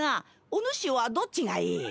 お主はどっちがいい？